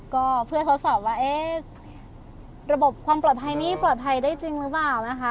ก็เพื่อทดสอบว่าเอ๊ะระบบความปลอดภัยนี้ปลอดภัยได้จริงหรือเปล่านะคะ